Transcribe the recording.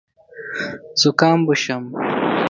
زکام به شم .